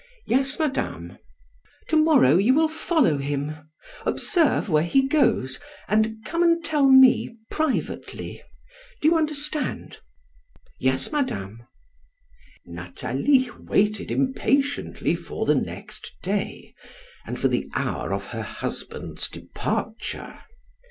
"Yes, madame." "To morrow, you will follow him; observe where he goes, and come and tell me privately. Do you understand?" "Yes, madame." Nathalie waited impatiently for the next day, and for the hour of her husband's departure.